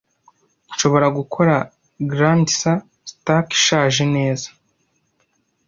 Nshobora gukora Grandsir Stark ishaje neza, -